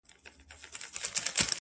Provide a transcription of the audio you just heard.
په اور دي وسوځم، په اور مي مه سوځوه،